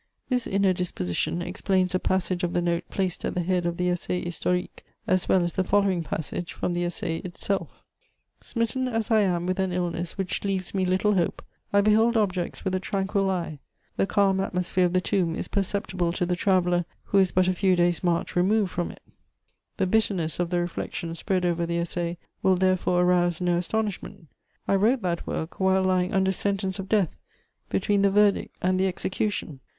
This inner disposition explains a passage of the note placed at the head of the Essai historique, as well as the following passage from the Essai itself: "Smitten as I am with an illness which leaves me little hope, I behold objects with a tranquil eye; the calm atmosphere of the tomb is perceptible to the traveller who is but a few days' march removed from it." The bitterness of the reflections spread over the Essai will therefore arouse no astonishment: I wrote that work while lying under sentence of death, between the verdict and the execution.